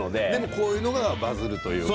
こういうのがバズるというか。